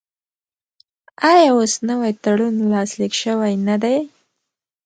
آیا اوس نوی تړون لاسلیک شوی نه دی؟